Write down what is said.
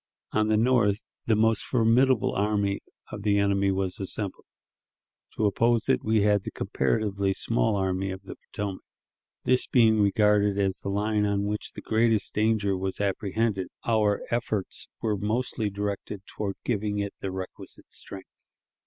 On the north, the most formidable army of the enemy was assembled; to oppose it we had the comparatively small Army of the Potomac. This being regarded as the line on which the greatest danger was apprehended, our efforts were mostly directed toward giving it the requisite strength.